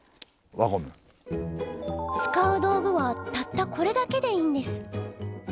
使う道具はたったこれだけでいいんです。